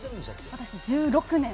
私１６年。